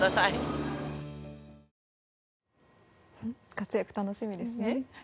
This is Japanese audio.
活躍楽しみですね。